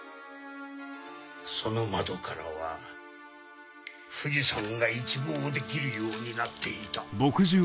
その窓からは富士山が一望できるようになっていた。